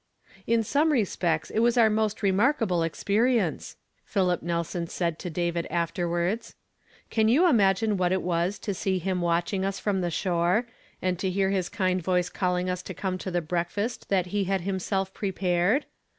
"In some respects it was our most remarkable experience," Philip Nelson said to David after wards. " Can you imagine what it was to see him watching us from the shore, and to hear his kind voice calling us to come to the breakfast that he had himself prepared